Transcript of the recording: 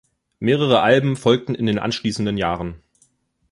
Mehrere Alben folgten in den anschließenden Jahren.